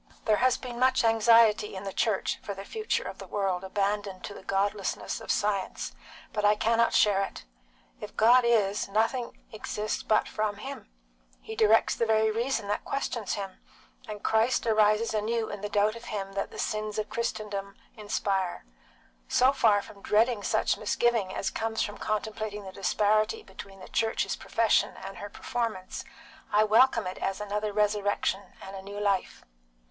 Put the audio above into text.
There has been much anxiety in the Church for the future of the world abandoned to the godlessness of science, but I cannot share it. If God is, nothing exists but from Him. He directs the very reason that questions Him, and Christ rises anew in the doubt of him that the sins of Christendom inspire. So far from dreading such misgiving as comes from contemplating the disparity between the Church's profession and her performance, I welcome it as another resurrection and a new life."